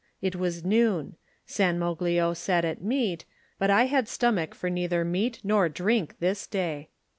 It was noon. San Moglio sat at meat, but I had stomach for neither meat nor drink this day.